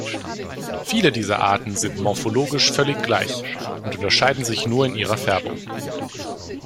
Viele dieser Arten sind morphologisch völlig gleich und unterscheiden sich nur in ihrer Färbung.